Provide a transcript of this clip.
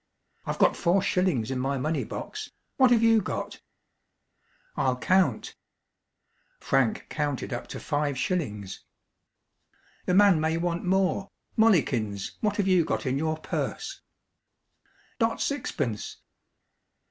I've got four shillings in my money box; what have you got?" "I'll count." Frank counted up to five shillings. "The man may want more. Mollikins, what have you got in your purse?" "Dot sixpence."